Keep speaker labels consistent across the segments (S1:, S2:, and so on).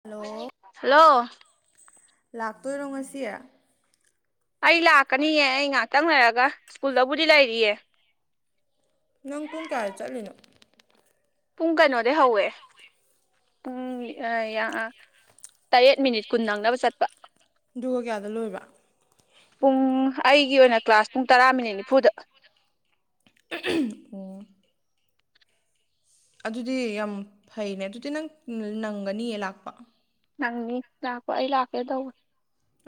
S1: hello
S2: hello
S1: ꯂꯥꯛꯇꯣꯏꯔꯣ ꯉꯁꯤ
S2: ꯑꯩ ꯂꯥꯛꯀꯅꯤꯌꯦ ꯑꯩ ꯉꯥꯏꯍꯥꯛꯇꯪ ꯂꯩꯔꯒ ꯁ꯭ꯀꯨꯜꯗꯕꯨꯗꯤ ꯂꯩꯔꯤꯌꯦ
S1: ꯅꯪ ꯄꯨꯡ ꯀꯌꯥꯗ ꯆꯠꯂꯤꯅꯣ
S2: ꯄꯨꯡ ꯀꯩꯅꯣꯗꯒꯤꯩ ꯍꯧꯋꯦ ꯄꯨꯡ ꯇꯔꯦꯠ ꯃꯤꯅꯤꯠ ꯀꯨꯟ ꯅꯪꯅꯕ ꯆꯠꯄ
S1: ꯑꯗꯨꯒ ꯀꯌꯥꯗ ꯂꯣꯏꯕ
S2: ꯄꯨꯡ ꯑꯩꯒꯤ ꯑꯣꯏꯅ ꯀ꯭ꯂꯥꯁ ꯄꯨꯡ ꯇꯔꯥ ꯃꯤꯅꯤꯠ ꯅꯤꯐꯨꯗ
S1: ꯑꯣ ꯑꯗꯨꯗꯤ ꯌꯥꯝ ꯐꯩꯅꯦ ꯑꯗꯨꯗꯤ ꯅꯪ ꯅꯪꯒꯅꯤꯌꯦ ꯂꯥꯛꯄ
S2: ꯅꯪꯅꯤ ꯂꯥꯛꯄ ꯑꯩ ꯂꯥꯛꯀꯦ ꯇꯧꯕ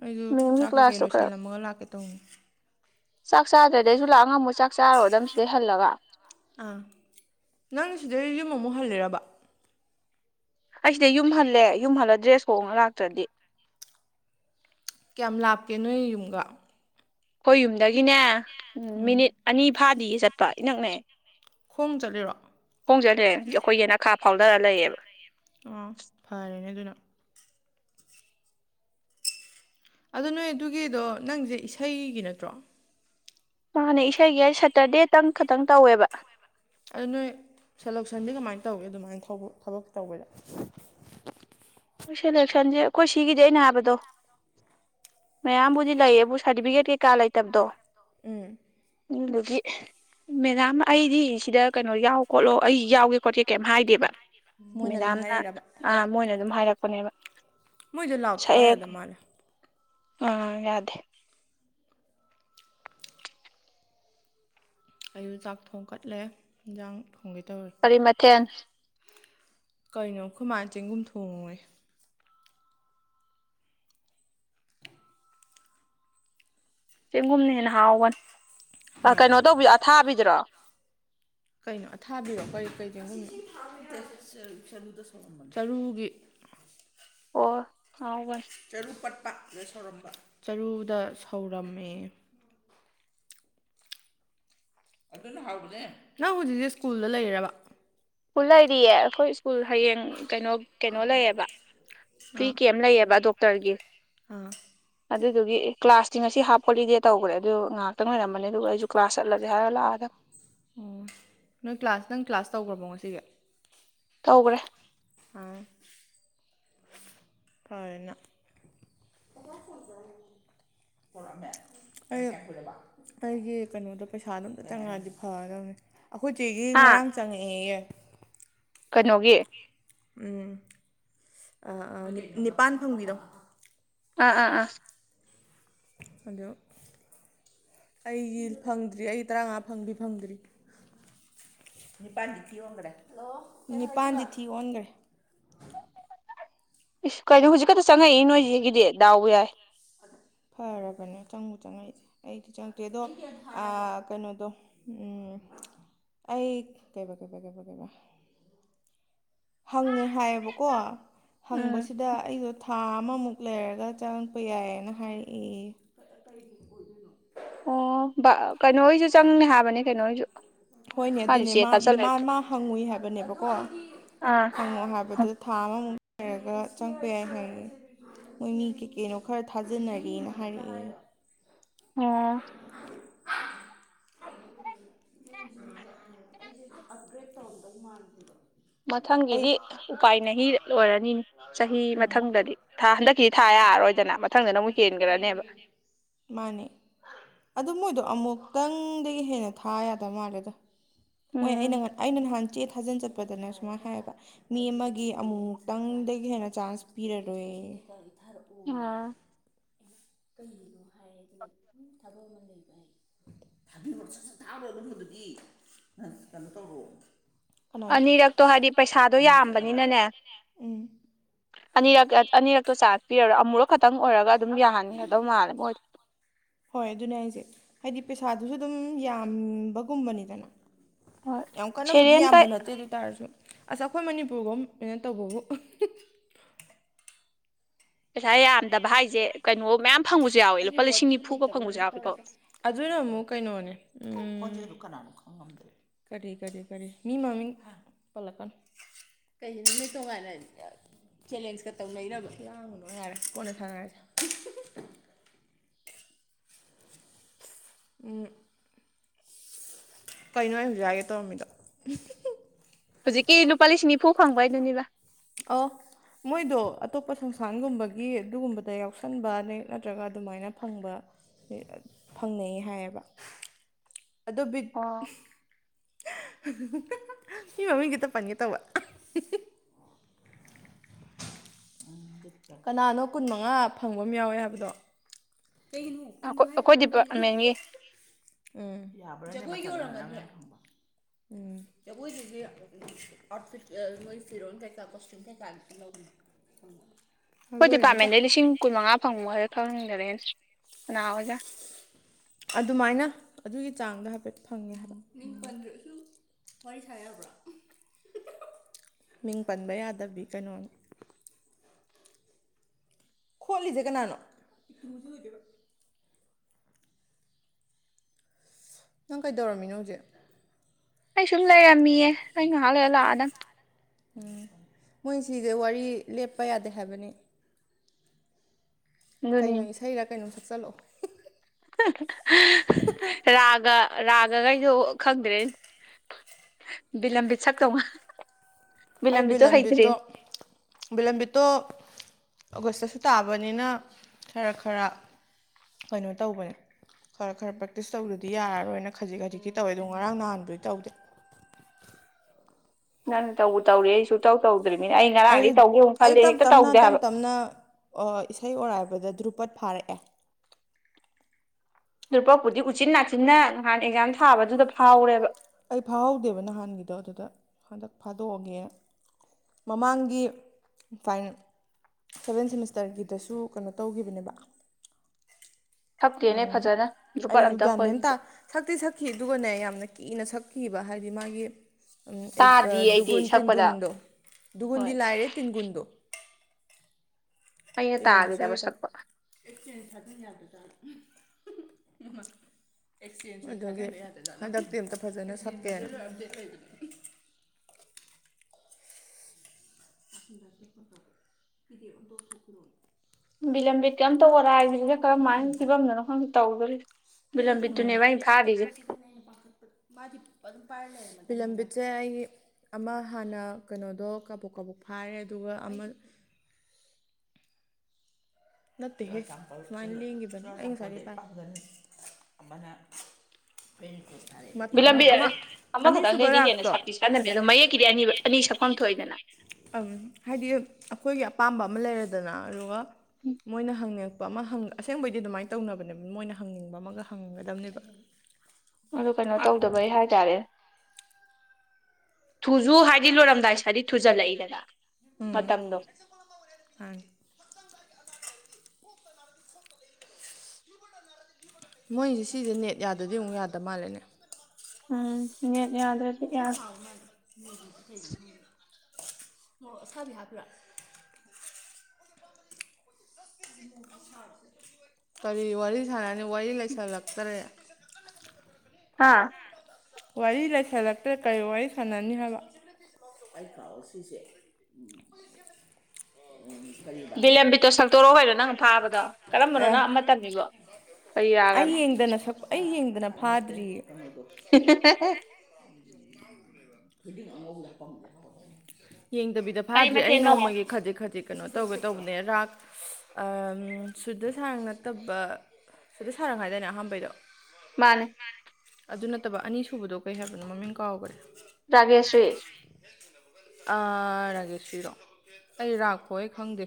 S1: ꯑꯩꯁꯨ
S2: ꯃꯦꯝꯒꯤ
S1: ꯆꯥꯛ ꯀꯩꯀꯩ
S2: ꯀ꯭ꯂꯥꯁꯇꯣ ꯈꯔ
S1: ꯂꯣꯏꯁꯤꯜꯂꯝꯃꯒ ꯂꯥꯛꯀꯦ ꯇꯧꯅꯤ
S2: ꯆꯥꯛ ꯆꯥꯗ꯭ꯔꯗꯩ ꯑꯩꯁꯨ ꯂꯥꯛꯑ ꯉꯝꯃꯨ ꯆꯥꯛ ꯆꯥꯔꯣ ꯑꯗꯨ ꯁꯤꯗꯩ ꯍꯜꯂꯒ
S1: ꯑꯥ ꯅꯪ ꯁꯤꯗꯩ ꯌꯨꯝ ꯑꯃꯨꯛ ꯍꯜꯂꯔꯕ
S2: ꯑꯩ ꯁꯤꯗ ꯌꯨꯝꯍꯜꯂꯦ ꯌꯨꯝꯍꯜꯂ ꯗ꯭ꯔꯦꯁ ꯈꯣꯡꯉ ꯂꯥꯛꯇ꯭ꯔꯗꯤ
S1: ꯀꯌꯥꯝ ꯂꯥꯞꯀꯦ ꯅꯣꯏ ꯌꯨꯝꯒ
S2: ꯍꯣꯏ ꯌꯨꯝꯗꯒꯤꯅꯦ
S1: ꯎꯝ
S2: ꯃꯤꯅꯤꯠ ꯑꯅꯤ ꯐꯥꯗꯤ ꯆꯠꯄ ꯏꯅꯛꯅꯦ
S1: ꯈꯣꯡ ꯆꯠꯂꯤꯔꯣ
S2: ꯍꯣꯡꯖꯜꯂꯦ ꯑꯩꯈꯣꯏꯒꯤ ꯅꯈꯥ ꯐꯥꯎꯊꯔ ꯂꯩꯌꯦꯕ
S1: ꯑꯥ ꯐꯔꯦꯅꯦ ꯑꯗꯨꯅ ꯑꯗꯣ ꯅꯣꯏ ꯑꯗꯨꯒꯤꯗꯣ ꯅꯪꯁꯦ ꯏꯁꯩꯒꯤ ꯅꯠꯇ꯭ꯔꯣ
S2: ꯃꯥꯥꯟꯅꯦ ꯏꯁꯩꯒꯤ ꯑꯩ ꯁꯦꯇꯔꯗꯦꯇꯪ ꯈꯛꯇꯪ ꯇꯧꯋꯦꯕ
S1: ꯑꯗꯨ ꯅꯣꯏ ꯁꯦꯂꯣꯛꯁꯟꯗꯤ ꯀꯃꯥꯏꯅ ꯇꯧꯒꯦ ꯑꯗꯨꯃꯥꯏꯅ ꯊꯕꯛ ꯇꯧꯕꯗ
S2: ꯑꯩꯣꯏ ꯁꯦꯂꯦꯛꯁꯟꯁꯦ ꯑꯩꯈꯣꯏ ꯁꯤꯒꯤꯗꯤ ꯑꯩꯅ ꯍꯥꯏꯕꯗꯣ ꯃꯌꯥꯝꯕꯨꯗꯤ ꯂꯩꯌꯦꯕꯨ ꯁꯥꯔꯇꯤꯐꯤꯀꯦꯠ ꯀꯩꯀꯥ ꯂꯩꯇꯕꯗꯣ
S1: ꯎꯝ
S2: ꯌꯗꯨꯗꯒꯤ ꯃꯦꯗꯥꯝ ꯑꯩꯗꯤ ꯁꯤꯗ ꯀꯩꯅꯣ ꯌꯥꯎ ꯈꯣꯠꯂꯣ ꯑꯩ ꯌꯥꯎꯒꯦ ꯈꯣꯠꯀꯦ ꯀꯩꯝ ꯍꯥꯏꯗꯦꯕ
S1: ꯃꯣꯏꯅ ꯑꯗꯨꯝ
S2: ꯃꯦꯗꯥꯝꯅ
S1: ꯍꯥꯏꯔꯛꯏꯔꯕ
S2: ꯑ ꯃꯣꯏꯅ ꯑꯗꯨꯝ ꯍꯥꯏꯔꯛꯄꯅꯦꯕ
S1: ꯃꯖꯂ ꯑꯣꯊꯥ ꯌꯥꯗꯃꯅ
S2: ꯎꯝ ꯌꯥꯗꯦ
S1: ꯑꯩꯁꯨ ꯆꯥꯛ ꯊꯣꯡ ꯀꯠꯂꯦ ꯌꯦꯟꯖꯥꯡ ꯊꯣꯡꯒꯦ ꯇꯧꯔꯦ
S2: ꯀꯔꯤ ꯃꯊꯦꯟ
S1: ꯀꯩꯅꯣ ꯑꯈꯨꯃꯥꯅ ꯆꯦꯡꯒꯨꯝ ꯊꯣꯡꯉꫭꯌꯦ
S2: ꯆꯦꯡꯒꯨꯝꯅ ꯍꯦꯟꯅ ꯍꯥꯎꯕꯅꯤ
S1: ꯍꯣꯏ
S2: ꯀꯩꯅꯣ ꯇꯧꯕꯤ ꯑꯊꯥꯕꯤꯗ꯭ꯔꯣ
S1: ꯀꯩꯅꯣ ꯑꯊꯥꯕꯤꯔꯣ ꯀꯔꯤ ꯀꯩꯗ ꯅꯨ ꯆꯔꯨꯒꯤ
S2: ꯑꯣ ꯍꯥꯎꯁ
S1: ꯆꯔꯨ ꯄꯠꯄ ꯁꯧꯔꯝꯕ ꯆꯔꯨꯗ ꯁꯧꯔꯝꯃꯦ ꯑꯗꯨ ꯍꯕꯅꯦ ꯅꯪ ꯍꯧꯖꯤꯛꯁꯦ ꯁ꯭ꯀꯨꯜꯗ ꯂꯩꯔꯕ
S2: ꯁ꯭ꯀꯨꯜ ꯂꯩꯔꯤꯌꯦ ꯑꯩꯈꯣꯏ ꯁ꯭ꯀꯨꯜ ꯍꯌꯦꯡ ꯀꯩꯅꯣ ꯀꯩꯅꯣ ꯂꯩꯌꯦꯕ ꯐ꯭ꯔꯤ
S1: ꯑꯥ
S2: ꯀꯦꯝ ꯂꯩꯌꯦꯕ ꯗꯣꯛꯇꯔꯒꯤ
S1: ꯑꯥ
S2: ꯑꯗꯨꯗꯨꯒꯤ ꯀ꯭ꯂꯥꯁꯇꯤ ꯉꯁꯤ ꯍꯥꯞ ꯍꯣꯂꯤꯗꯦ ꯇꯧꯕꯈ꯭ꯔꯦ ꯑꯗꯨ ꯉꯥꯏꯍꯥꯛꯇꯪ ꯂꯩꯔꯝꯃꯅꯤ ꯑꯗꯨꯒ ꯑꯩꯁꯨ ꯀ꯭ꯂꯥꯁ ꯆꯠꯂꯒꯦ ꯍꯥꯏꯔꯒ ꯂꯥꯛꯑꯗꯝ
S1: ꯑꯣ ꯅꯣꯏ ꯀ꯭ꯂꯥꯁ ꯅꯪ ꯀ꯭ꯂꯥꯁ ꯇꯧꯈ꯭ꯔꯕꯣ ꯉꯁꯤꯒꯤ
S2: ꯇꯧꯒꯔꯦ
S1: ꯑꯥ ꯀꯥꯏꯅ [unintelligible] ꯑꯩ ꯑꯩꯒꯤ ꯀꯩꯅꯣꯗꯣ ꯄꯩꯁꯥꯗꯣ ꯑꯝꯇ ꯆꯪꯉꯛꯑꯗꯤ ꯐꯗꯕꯅꯦ ꯑꯩꯈꯣꯏ ꯆꯦꯒꯤ
S2: ꯍꯥ
S1: ꯉꯔꯥꯡ ꯆꯪꯉꯛꯑꯦꯌꯦ
S2: ꯀꯩꯅꯣꯒꯤ
S1: ꯎꯝ ꯑ ꯑ ꯅꯤꯄꯥꯟ ꯐꯪꯕꯤꯗꯣ
S2: ꯑꯥ ꯑꯥ ꯑꯥ
S1: ꯑꯗꯨ ꯑꯩꯒꯤ ꯐꯪꯗ꯭ꯔꯤ ꯑꯩ ꯇꯔꯥꯃꯉꯥ ꯐꯪꯗꯤ ꯐꯪꯗ꯭ꯔꯤ ꯅꯤꯄꯥꯟꯗꯤ ꯊꯤ ꯑꫭꯟꯒꯔꯦ ꯅꯤꯄꯥꯟꯗꯤ ꯊꯤ ꯑꯣꯟꯒꯔꯦ
S2: ꯏꯁ ꯀꯩꯅꯣ ꯍꯧꯖꯤꯛ ꯈꯛꯇ ꯆꯪꯉꯛꯏ ꯅꯣꯏꯆꯦꯒꯤꯗꯤ ꯗꯥꯎꯕꯨ ꯌꯥꯏ
S1: ꯐꯔꯕꯅꯦ ꯆꯪꯕꯨ ꯆꯪꯉꯛꯏꯁꯦ ꯑꯩꯗꯤ ꯆꯪꯛꯇꯦ ꯑꯗꯣ ꯑ ꯀꯩꯅꯣꯗꯣ ꯎꯝ ꯑꯩ ꯀꯩꯕꯥ ꯀꯩꯕ ꯀꯩꯕ ꯀꯩꯕ ꯍꯪꯉꯦ ꯍꯥꯏꯌꯦꯕꯀꯣ
S2: ꯎꯝ
S1: ꯍꯪꯕꯁꯤꯗ ꯑꯩꯗꯣ ꯊꯥ ꯑꯃꯃꯨꯛ ꯂꯩꯔꯒ ꯆꯪꯉꯛꯄ ꯌꯥꯏꯌꯦꯅ ꯍꯥꯏꯔꯛꯑꯦꯌꯦ [inaudible]
S2: ꯑꯣ ꯕ ꯀꯩꯅꯣꯁꯨ ꯆꯪꯅꯤ ꯍꯥꯏꯕꯅꯤ ꯀꯩꯅꯣꯁꯨ
S1: ꯍꯣꯏꯅꯦ ꯑꯗꯨꯅꯦ ꯃꯥ ꯃꯥ ꯃꯥ ꯍꯪꯉꯨꯏ ꯍꯥꯏꯕꯅꯦꯕꯀꯣ
S2: ꯑꯥ
S1: ꯍꯪꯉꯣ ꯍꯥꯏꯕꯗꯨ ꯊꯥ ꯑꯃꯃꯨꯛ ꯂꯩꯔꯒ ꯆꯪꯉꯛꯄ ꯌꯥꯏ ꯍꯥꯏꯌꯦ ꯃꯣꯏ ꯃꯤ ꯀꯩꯀꯩꯅꯣ ꯈꯔ ꯊꯥꯖꯟꯅꯔꯤꯅ ꯍꯥꯏꯔꯛꯑꯦꯌꯦ
S2: ꯑꫭ
S1: ꯑꯞꯒ꯭ꯔꯦꯗ ꯇꯧꯔꯝꯗꯧ ꯃꯥꯟꯈꯤꯕ
S2: ꯃꯊꯪꯒꯤꯗꯤ ꯎꯄꯥꯏ ꯅꯍꯤ ꯂꯣꯏꯔꯅꯤꯅꯦ ꯆꯍꯤ ꯃꯊꯪꯗꯗꯤ ꯊꯥ ꯍꯟꯗꯛ ꯁꯤ ꯊꯥ ꯌꯥꯔꯔꯣꯏꯗꯅ ꯃꯊꯪꯗꯅ ꯑꯃꯨꯛ ꯍꯦꯟꯈ꯭ꯔꯅꯦꯕ
S1: ꯃꯥꯅꯦ ꯑꯗꯨ ꯃꯣꯏꯗꯣ ꯑꯃꯨꯛꯇꯪꯗꯒꯤ ꯍꯦꯟꯅ ꯊꯥ ꯌꯥꯗꯕ ꯃꯥꯜꯂꯦꯗ ꯍꯣꯏ ꯑꯩꯅ
S2: ꯎꯝ
S1: ꯑꯩꯅ ꯅꯍꯥꯟ ꯆꯦ ꯊꯥꯖꯤꯟ ꯆꯠꯄ ꯄꯗꯅꯦ ꯁꯨꯃꯥꯏ ꯍꯥꯏꯌꯦꯕ ꯃꯤ ꯑꯃꯒꯤ ꯑꯃꯨꯃꯨꯛꯇꯪꯗꯒꯤ ꯍꯦꯟꯅ ꯆꯥꯟꯁ ꯄꯤꯔꯔꯣꯏꯌꯦ
S2: ꯎꯝ
S1: [unintelligible] ꯊꯥꯕꯤꯒ꯭ꯔꫭ ꯁꯠ ꯁꯠ ꯊꯥꯔꯣ ꯑꯗꯨꯒꯨꯝꯕꯗꯨꯗꯤ ꯀꯩꯅꯣ ꯇꯧꯔꯣ
S2: ꯑꯅꯤꯔꯛꯇꯣ ꯍꯥꯏꯗꯤ ꯄꯩꯁꯥꯗꯣ ꯌꯥꯝꯕꯅꯤꯅꯅꯦ
S1: ꯎꯝ
S2: ꯑꯅꯤꯔꯛ ꯑꯅꯤꯔꯛꯇꯣ ꯆꯥꯟꯁ ꯄꯤꯔꯔꯣꯏ ꯑꯃꯨꯔꯛ ꯈꯛꯇꯪ ꯑꯣꯏꯔꯒ ꯑꯗꯨꯝ ꯌꯥꯍꯟꯒꯗꯧ ꯃꯥꯜꯂꯦ ꯃꯣꯏꯗꫭ
S1: ꯍꯣꯏ ꯑꯗꯨꯅꯦ ꯍꯥꯏꯁꯦ ꯍꯥꯏꯗꯤ ꯄꯩꯁꯥꯗꯨꯁꯨ ꯑꯗꯨꯝ ꯌꯥꯝꯕꯒꯨꯝꯕꯅꯤꯗꯅ
S2: ꯍꯣꯏ
S1: ꯌꯥꯝ ꯀꯟꯅꯕꯨꯗꯤ
S2: ꯁꯦꯔꯦꯟ ꯀ
S1: ꯌꯥꯝꯕ ꯅꯠꯇꯦ ꯑꯗꯨ ꯑꯣꯏꯇꯥꯔꯁꯨ ꯑꯁ ꯑꯩꯈꯣꯏ ꯃꯅꯤꯄꯨꯔꯒꯅ ꯇꯧꯕꯕꯨ
S2: ꯄꯩꯁꯥ ꯌꯥꯝꯗꯕ ꯍꯥꯏꯁꯦ ꯀꯩꯅꯣ ꯃꯌꯥꯝ ꯐꯪꯕꯁꯨ ꯌꯥꯎꯋꯦ ꯂꯨꯄꯥ ꯂꯤꯁꯤꯡ ꯅꯤꯐꯨꯒ ꯐꯪꯕꯁꯨ ꯌꯥꯎꯋꯦꯀꯣ
S1: ꯑꯗꯨꯅ ꯑꯃꯨꯛ ꯀꯩꯅꯣꯅꯦ ꯎ ꯀꯔꯤ ꯀꯔꯤ ꯀꯔꯤ ꯃꯤ ꯃꯃꯤꯡ ꯄꯜꯂꯛꯀꯥꯟ ꯀꯩ ꯅꯨꯃꯤ ꯇꯣꯡꯉꯥꯏꯅ ꯆꯦꯂꯦꯟꯖꯀ ꯇꯧꯅꯩꯔꯕ ꯂꯥꯡꯕꯅꯅꯨꯡ ꯉꯥꯏꯔꯦ ꯀꯣꯟꯅ ꯁꯥꯟꯅꯔꯁꯦ ꯎꯝ ꯀꯩꯅꯣ ꯑꯩ ꯍꯧꯖꯤꯛ ꯌꯥꯒꯦ ꯇꯧꯔꯝꯃꯤꯗꯣ
S2: ꯍꯧꯖꯤꯛꯀꯤ ꯂꯨꯄꯥ ꯂꯤꯁꯤꯡ ꯅꯤꯐꯨ ꯐꯪꯕꯩ ꯗꯨꯅꯤꯕ
S1: ꯑꯣ ꯃꯣꯏꯗꯣ ꯑꯇꯣꯞꯄ ꯁꯪꯁꯊꯥꯟꯒꯨꯝꯕꯒꯤ ꯑꯗꯨꯒꯨꯝꯕꯗ ꯌꯥꯎꯁꯟꯕ ꯅ ꯅꯠꯇ꯭ꯔꯒ ꯑꯗꯨꯃꯥꯏꯅ ꯐꯪꯕ ꯐꯪꯅꯩ ꯍꯥꯏꯌꯦꯕ ꯑꯗꯨ ꯕꯤꯠ
S2: ꯑꯣ
S1: [unintelligible] ꯃꯤ ꯃꯃꯤꯡꯁꯦ ꯍꯦꯇ ꯄꯟꯒꯦ ꯇꯧꯕ [unintelligible] ꯀꯅꯥꯅꯣ ꯀꯨꯟꯃꯉꯥ ꯐꯪꯕ ꯑꯃ ꯌꯥꯎꯋꯦ ꯍꯥꯏꯕꯗꯣ ꯀꯩꯅꯣ ꯀꯨꯟ
S2: ꯑꯩꯈꯣꯏ ꯑꯩꯈꯣꯏ
S1: ꯃꯉꯥꯏꯁꯤꯣ ꯀꯩꯅ
S2: ꯗꯤꯄꯥꯔꯠꯃꯦꯟꯒꯤ
S1: ꯎꯝ ꯎꯝ ꯖꯒꯣꯏꯗꯨꯗꯤ ꯑꯥꯎꯠꯐꯤꯠ ꯃꯣꯏ ꯐꯤꯔꯣꯟꯜ ꯀꯩꯀꯥ ꯀꯣꯁꯇ꯭ꯌꯨꯝ ꯀꯩꯀꯥꯅꯁꯨ ꯂꯧꯅꯤꯡꯅꯤ ꯎꯝ
S2: ꯑꯩꯈꯣꯏ ꯗꯤꯄꯥꯔꯠꯃꯦꯟꯗꯩ ꯂꯤꯁꯤꯡ ꯀꯨꯟꯃꯉꯥ ꯐꯪꯉꯣ ꯍꯥꯏꯔ ꯈꯪꯖꯔꯦ ꯀꯅꯥ ꯑꯣꯖꯥ
S1: ꯑꯗꯨꯃꯥꯏꯅ ꯑꯗꯨꯒꯤ ꯆꯥꯡꯗ ꯍꯥꯏꯐꯦꯠ ꯐꯪꯉꯦ ꯍꯥꯏ ꯃꯤꯡ ꯄꯟꯕ ꯌꯥꯗꯕꯤ ꯀꯩꯅꯣ ꯈꯣꯠꯂꯤꯁꯦ ꯀꯅꯥꯅꯣ ꯅꯪ ꯀꯩꯗꯧꯔꯝꯃꯤꯅꯣ ꯍꯧꯖꯤꯛ
S2: ꯑꯩ ꯁꯨꯝ ꯂꯩꯔꯝꯃꯤꯌꯦ ꯅ ꯉꯥꯏꯍꯥꯛ ꯂꯩꯔ ꯂꯥꯛꯑ ꯅꯪ
S1: ꯎꯝ ꯃꯣꯏ ꯁꯤꯁꯦ ꯋꯥꯔꯤ ꯂꯦꯞꯄ ꯌꯥꯗꯦ ꯍꯥꯏꯕꯅꯤ
S2: ꯑꯗꯨꯅꯤ
S1: ꯀꯩꯅꯣ ꯏꯁꯩꯔ ꯀꯩꯅꯣꯝ ꯁꯛꯆꯜꯂꯛꯑꯣ
S2: ꯔꯥꯒ ꯔꯥꯒ ꯀꯩꯁꯨ ꯈꯪꯗ꯭ꯔꯦ ꯕꯤꯂꯝꯕꯤꯠ ꯆꯀ ꯇꯧꯉ
S1: ꯑꯩ
S2: ꯕꯤꯂꯕꯤꯗꯣ ꯍꯩꯇ꯭ꯔꯤ
S1: ꯕꯤꯂꯝꯕꯤꯠꯇꯣ ꯕꯤꯂꯝꯕꯤꯠꯇꯣ ꯑꯣꯒꯁꯇꯁꯨ ꯇꯥꯕꯅꯤꯅ ꯈꯔ ꯈꯔ ꯀꯩꯅꯣ ꯇꯧꯕꯅꯦ ꯈꯔ ꯈꯔ ꯄ꯭ꯔꯦꯛꯇꯤꯁ ꯇꯧꯗꯗꯤ ꯌꯥꯔꯔꯣꯏꯅ ꯈꯖꯤꯛ ꯈꯖꯤꯛꯀꯤ ꯇꯧꯑꯦ ꯑꯗꯨꯣ ꯉꯔꯥꯡ ꯅꯍꯥꯟꯕꯨꯗꯤ ꯇꯧꯗꯦ
S2: ꯅꯪ ꯇꯧꯕ ꯇꯧꯔ ꯑꯩꯁꯨ ꯇꯧ ꯇꯧꯗ꯭ꯔꯤꯕꯅꯤꯅ ꯑꯩ ꯉꯔꯥꯡꯗꯤ ꯇꯧꯒꯦꯨ ꯈꯜꯜꯂꯤꯦ ꯍꯦꯛꯇ ꯇꯧꯗꯦ ꯍꯥꯏꯕ
S1: ꯑꯗꯨꯅ ꯑꯣ ꯏꯁꯩ ꯑꯣꯔꯥꯏꯕꯗ ꯗꯙ꯭ꯔꯨꯄꯠ ꯐꯥꯔꯛꯑꯦ
S2: ꯂꯨꯄꯥꯄꯨꯗꯤ ꯎꯆꯤꯟ ꯅꯥꯆꯤꯟꯅ ꯅꯍꯥꯟ ꯑꯦꯛꯖꯥꯝ ꯊꯥꯕꯗꯨꯗ ꯐꯥꯎꯔꯦꯕ
S1: ꯑꯩ ꯐꯥꯍꯧꯗꯦꯕ ꯅꯍꯥꯟꯒꯤꯗꯣ ꯑꯗꯨꯗ ꯍꯟꯗꯛ ꯐꯥꯗꯣꯛꯑꯒꯦ ꯃꯃꯥꯡꯒꯤ ꯐꯥꯏꯟ ꯁꯕꯦꯟ ꯁꯦꯃꯤꯁꯇꯔꯒꯤꯗꯁꯨ ꯀꯩꯅꯣ ꯇꯧꯈꯤꯕꯅꯦꯕ
S2: ꯊꯞꯇꯦꯅꯦ
S1: ꯎꯝ
S2: ꯐꯖꯅ ꯨꯄꯥꯠ
S1: ꯑꯩꯁꯨ
S2: ꯑꯝꯇ
S1: ꯒ꯭ꯌꯥꯟ ꯃꯦꯟ ꯇꯥ
S2: ꯍꯣꯏꯗ
S1: ꯁꯛꯇꯤ ꯁꯛꯈꯤ ꯑꯗꯨꯒꯅꯦ ꯌꯥꯝꯅ ꯀꯤꯅ ꯁꯛꯈꯤꯕ ꯍꯥꯏꯗꯤ ꯃꯥꯒꯤ
S2: ꯇꯥꯗꯤꯌꯦ ꯑꯩꯗꯤ
S1: ꯗꯨꯒꯨꯟ
S2: ꯁꯛꯄꯗ
S1: ꯇꯤꯟꯒꯨꯟꯗꯣ ꯗꯨꯒꯨꯟꯗꯤ
S2: ꯍꯣꯏ
S1: ꯂꯥꯏꯔꯦ ꯇꯤꯟꯒꯨꯟꯗꯣ
S2: ꯑꯩꯅ
S1: ꯑꯩꯉꯣꯟꯗ
S2: ꯇꯥꯈꯤꯗꯕ
S1: ꯁꯣꯏꯒꯦꯗꯕ
S2: ꯁꯛꯄ
S1: ꯑꯗꯨꯗꯒꯤ ꯍꯟꯗꯛ ꯇꯦꯜꯇ ꯐꯖꯅ ꯁꯛꯀꯦꯅ ꯑꯗ ꯀꯤꯗꯤꯗꯣꯒꯨꯔꯣ
S2: ꯕꯤꯂꯝꯕꯤꯠ ꯀꯩꯝ ꯇꯧꯔ ꯍꯥꯏꯗꯨꯅꯤꯅ ꯀꯔꯝꯍꯥꯏꯅ ꯐꯤꯕꯝꯗꯅꯣ ꯈꯪꯗꯦ ꯇꯧꯗꯣꯔꯤꯦ
S1: ꯍ ꯃꯥꯗꯤ ꯄꯣꯛꯄ ꯑꯗꯨꯝ ꯄꯥꯏꯔ ꯂꯩꯔꯦ ꯕꯤꯂꯝꯕꯤꯠꯁꯦ ꯑꯩꯒꯤ ꯑꯃ ꯍꯥꯟꯅ ꯀꯩꯅꯣꯗꯣ ꯀꯥꯕꯣꯛ ꯀꯥꯕꯣꯛ ꯐꯥꯔꯦ ꯑꯗꯨꯒ ꯑꯃ ꯅꯠꯇꯦꯍꯦ ꯁꯨꯃꯥꯏꯅ ꯂꯦꯡꯈꯤꯕꯅꯤ ꯑꯩ ꯉꯁꯥꯏꯗꯒꯤ
S2: ꯕꯤꯂꯝꯕꯤꯠ
S1: ꯄꯥꯏ ꯑꯅꯤꯁꯨꯕ ꯔꯥꯛꯇꯣ
S2: ꯀꯥꯟꯅ ꯃꯩꯠꯂꯨ ꯃꯌꯦꯛꯀꯤꯗꯤ ꯑꯅꯤ ꯑꯅꯤ ꯁꯛꯐꯝ ꯊꯣꯛꯏꯗꯅ
S1: ꯍꯥꯏꯗꯤ ꯑꯩꯈꯣꯏꯒꯤ ꯑꯄꯥꯝꯕ ꯑꯃ ꯂꯩꯔꯗꯅ ꯑꯗꯨꯒ ꯃꯣꯏꯅ ꯍꯪꯉ ꯑꯄ ꯑꯃ ꯑꯁꯦꯡꯕꯩꯗꯤ ꯑꯗꯨꯃꯥꯏꯅ ꯇꯧꯅꯕꯅꯦ ꯃꯣꯏꯅ ꯍꯪꯅꯤꯡꯕ ꯑꯃꯒ ꯍꯪꯅꯤꯡꯒꯗꯕꯅꯦꯕ
S2: ꯑꯗꯨ ꯀꯩꯅꯣ ꯇꯧꯗꯕꯩ ꯍꯥꯏꯇꯥꯔꯦ ꯊꯨꯖꯨ ꯍꯥꯏꯗꯤ ꯂꯣꯏꯔꯝꯗꯥꯏꯁꯤ ꯍꯥꯏꯗꯤ ꯊꯨꯖꯜꯂꯛꯏꯗꯅ
S1: ꯎꯝ
S2: ꯃꯇꯝꯗꯣ
S1: ꯍꯥꯏ ꯃꯣꯏꯁꯦ ꯁꯤꯁꯦ ꯅꯦꯠ ꯌꯥꯗꯗꯤ ꯑꯃꯨꯛ ꯌꯥꯗ ꯃꯥꯜꯂꯦꯅꯦ
S2: ꯎꯝ ꯅꯦꯠ ꯌꯥꯗꯔꯦ
S1: ꯃ ꯈꯔ ꯁꯥꯎ ꯃꯥꯅ ꯑꯁꯥꯕꯤ ꯍꯥꯞꯄ꯭ꯔꯥ ꯀꯔꯤ ꯋꯥꯔꯤ ꯁꯥꯟꯅꯅꯤ ꯋꯥꯔꯤ ꯂꯩꯁꯜꯂꯛꯇ꯭ꯔꯦ
S2: ꯍꯥꯥ
S1: ꯋꯥꯔꯤ ꯂꯩꯁꯜꯂꯛꯇ꯭ꯔ ꯀꯔꯤ ꯋꯥꯔꯤ ꯁꯥꯟꯅꯅꯤ ꯍꯥꯏꯕ ꯑꯩ ꯈꯥꯛꯑꯣ ꯁꯤꯁꯦ ꯎꯝ
S2: ꯕꯤꯂꯦꯝꯕꯤꯠꯇꯣ ꯁꯛꯇꯣꯔꯛꯑꯣ ꯍꯅꯣ ꯅꯪ ꯐꯥꯕꯗꯣ ꯀꯔꯝꯕꯅꯣ
S1: ꯑꯦ
S2: ꯅꯪ ꯑꯃ ꯇꯝꯃꯤꯕꯣ ꯀꯔꯤ ꯌꯥꯒꯅꯣ
S1: ꯏꯪꯗꯅ ꯁꯛ ꯑꯩ ꯌꯦꯡꯗꯅ ꯐꯥꯗ꯭ꯔꯤꯌꯦ
S2: [unintelligible]
S1: ꯌꯦꯡꯗꯕꯤꯗ
S2: ꯀꯔꯤ
S1: ꯐꯥꯗ꯭ꯦ ꯑꯩ
S2: ꯃꯊꯦꯜꯅꯣ
S1: ꯅꯣꯡꯃꯒꯤ ꯈꯖꯤꯛ ꯈꯖꯤꯛ ꯀꯩꯅꯣ ꯇꯧꯒꯦ ꯇꯧꯕꯅꯦ ꯔꯥꯛ ꯁꯨꯗ ꯁꯥꯡ ꯅꯠꯇꯕ ꯁꯖꯤ ꯁꯥꯔꯝ ꯍꯥꯏꯗꯅꯦ ꯑꯍꯥꯟꯕꯩꯗꯣ
S2: ꯃꯥꯅꯦ
S1: ꯑꯗꯨ ꯅꯠꯇꯕ ꯑꯅꯤ ꯁꯨꯕꯗꯣ ꯀꯩ ꯍꯥꯏꯕꯅꯣ ꯃꯃꯤꯡ ꯀꯥꯎꯈ꯭ꯔꯦ
S2: ꯔꯥꯒꯦꯁ꯭ꯔꯤ
S1: UNINTELLIGIBLE ꯑꯥ ꯔꯥꯒꯦ ꯁꯤꯔꯣ ꯑꯩ ꯂꯥꯛꯄꯣ ꯑꯩ ꯈꯪꯗꯦ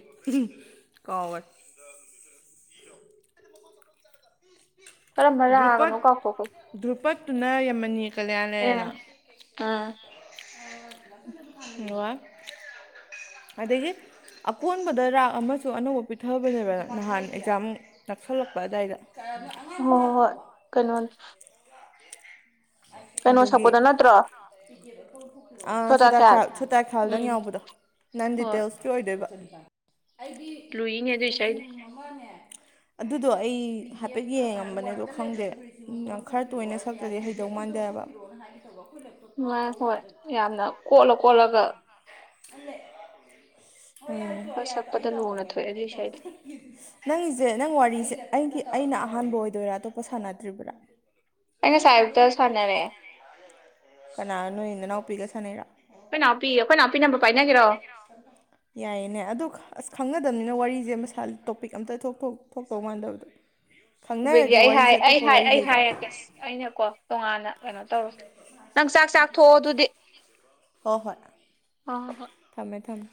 S1: ꯀꯥꯎꯔꯁꯤꯦ
S2: ꯀꯔꯝꯕ
S1: ꯗ꯭ꯔꯨꯄꯠ
S2: ꯔꯒꯅꯣ ꯀꯥꯎꯊꯛꯄꯒꯤ
S1: ꯗ꯭ꯔꯨꯄꯠꯇꯨꯅ ꯌꯥꯝꯃꯅꯤ ꯀꯂꯌꯥꯟ ꯂꯩꯔꯅ
S2: ꯎ
S1: ꯑꯗꯒꯤ ꯑꯀꯣꯟꯕꯗ ꯔꯥꯛ ꯑꯃꯁꯨ ꯑꯅꯧꯕ ꯄꯤꯊꯕꯅꯦꯕ ꯅꯍꯥꯟ ꯑꯦꯛꯖꯥꯝ ꯅꯛꯁꯜꯂꯛꯄ ꯑꯗꯨꯗꯥꯋꯥꯏꯗ
S2: ꯍꯣꯏ ꯍꯣꯏ ꯍꯣꯏ ꯀꯩꯅꯣ ꯀꯩꯅꯣ
S1: ꯑꯗꯨꯒꯤ
S2: ꯁꯛꯄꯗꯣ ꯅꯠꯇ꯭ꯔꯣ
S1: ꯑꯥ
S2: ꯁꯣꯗꯥ
S1: ꯁꯨꯜ
S2: ꯈ꯭ꯌꯥꯜ
S1: ꯁꯨꯇꯈꯥꯜꯗꯪ
S2: ꯎꯝ
S1: ꯌꯥꯎꯕꯗꯣ ꯅꯪ
S2: ꯍꯣꯏ
S1: ꯗꯤꯇꯦꯜꯁ ꯆꯣꯏꯗꯕ ꯑꯩꯗꯤ
S2: ꯂꯨꯏꯅꯦ ꯑꯗꯨꯏ ꯏꯁꯩꯗꯣ
S1: ꯔꯦꯖꯤꯃꯦꯟ ꯑꯃꯅꯦ ꯑꯗꯨꯗꯣ ꯑꯩ ꯍꯥꯏꯐꯦꯠ ꯌꯦꯡꯉꯝꯕꯅꯦꯗꯣ ꯈꯪꯗꯦ ꯈꯔ ꯇꯣꯏꯅ ꯁꯛꯇꯗꯤ ꯍꯥꯏ ꯗꯧ ꯃꯥꯟꯗꯕ
S2: ꯉꯥꯏ ꯍꯣꯏ ꯌꯥꯝꯅ ꯀꯣꯠꯂ ꯀꯣꯠꯂꯒ ꯈꯔ ꯁꯛꯄꯗ ꯂꯨꯅ
S1: UNINTELLIGIBLE
S2: ꯊꯣꯛꯑꯦ ꯑꯗꯨꯏ ꯏꯁꯩꯗꯣ
S1: ꯅꯪꯒꯤꯁꯦ ꯅꯪ ꯋꯥꯔꯤꯁꯦ ꯑꯩꯒꯤ ꯑꯩꯅ ꯑꯍꯥꯟꯕ ꯑꯣꯏꯗꯣꯏꯔꯥ ꯑꯇꯣꯞꯄ ꯁꯥꯟꯅꯗ꯭ꯔꯤꯕ꯭ꯔꯥ INAUDIBLE
S2: ꯑꯩ ꯉꯁꯥꯏꯌꯨꯇ ꯁꯥꯟꯅꯔꯦ
S1: ꯀꯅꯥ ꯅꯣꯏ ꯅꯅꯥꯎꯄꯤꯤꯒ ꯁꯅꯔꯥ
S2: ꯑꯩꯈꯣꯏꯅꯥꯄꯤ ꯑꯩꯈꯣꯏ ꯅꯥꯎꯄꯤ ꯅꯝꯕ ꯄꯥꯏꯅꯦꯔꯣ
S1: ꯌꯥꯏꯌꯦꯅꯦ ꯑꯗꯣ ꯑꯁ ꯈꯪꯒꯗꯕꯅꯤꯅ ꯋꯥꯔꯤꯁꯦ ꯃꯁꯥ ꯇꯣꯄꯤꯛ ꯑꯝꯇ ꯊꯣꯛꯇꯧ ꯃꯥꯟꯗꯕꯗꯣ [unintelligible]
S2: ꯕꯤꯗꯤ ꯑꯩ ꯍꯥꯏ
S1: ꯋꯥꯔꯤꯁꯦ
S2: ꯑꯩ
S1: ꯑꯇꯣꯞꯄ
S2: ꯍꯥꯏ
S1: ꯋꯥꯔꯤ
S2: ꯑꯩ
S1: ꯂꯩꯗꯅ
S2: ꯍꯥꯏꯔꯒꯦ ꯑꯩꯅꯀꯣ ꯇꯣꯉꯥꯟꯅ ꯀꯩꯅꯣ ꯇꯧꯔꯦ ꯅꯪ ꯆꯥꯛ ꯆꯥꯛꯊꯣꯛꯑꯣ ꯑꯗꯨꯗꯤ
S1: ꯍꯣꯏ ꯍꯣꯏ
S2: ꯍꯣꯏ ꯍꯣꯏ ꯍꯣꯏ
S1: ꯊꯝꯃꯦ ꯊꯝꯃꯦ